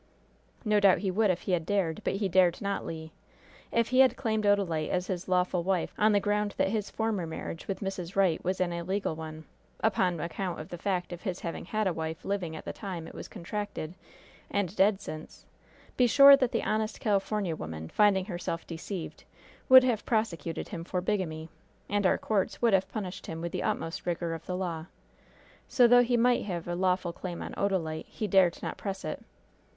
"No doubt he would if he had dared, but he dared not, Le! If he had claimed Odalite as his lawful wife, on the ground that his former marriage with Mrs. Wright was an illegal one, upon account of the fact of his having had a wife living at the time it was contracted, and dead since, be sure that the honest California woman, finding herself deceived, would have prosecuted him for bigamy, and our courts would have punished him with the utmost rigor of the law! So, though he might have a lawful claim on Odalite, he dared not press it!